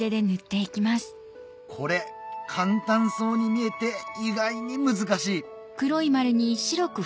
これ簡単そうに見えて意外に難しいうわ